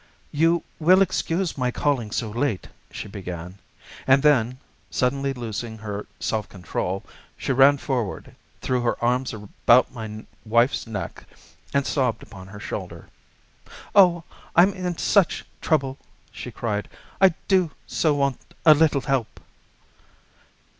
"You will excuse my calling so late," she began, and then, suddenly losing her self control, she ran forward, threw her arms about my wife's neck, and sobbed upon her shoulder. "Oh, I'm in such trouble!" she cried; "I do so want a little help."